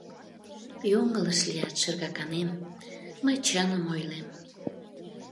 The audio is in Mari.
— Йоҥылыш лият, шергаканем, мый чыным ойлем.